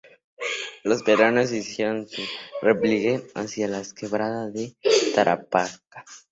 Los peruanos iniciaron su repliegue hacia la quebrada de Tarapacá.